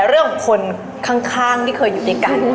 เรื่องของคนข้างที่เคยอยู่ด้วยกัน